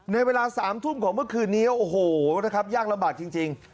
ในเวลา๓ทุ่มของเมื่อคืนนี้โอ้โหนะครับยากลำบากจริง